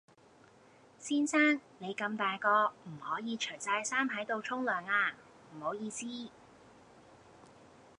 先生你咁大個唔可以除晒衫喺度沖涼啊唔好意思